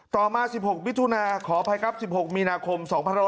ต่อมา๑๖มิถุนาขออภัยครับ๑๖มีนาคม๒๖๖